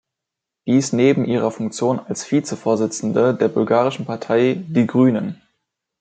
Dies neben ihrer Funktion als Vizevorsitzende der Bulgarischen Partei "Die Grünen".